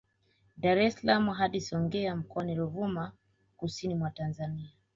Dar es salaam hadi Songea Mkoani Ruvuma Kusini mwa Tanzania